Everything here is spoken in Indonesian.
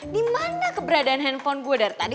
di mana keberadaan handphone gue dari tadi